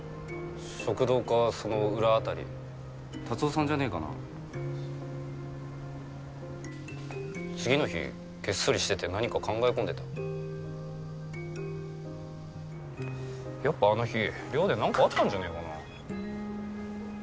食堂かその裏辺り達雄さんじゃねえかな次の日ゲッソリしてて何か考え込んでたやっぱあの日寮で何かあったんじゃねえかな？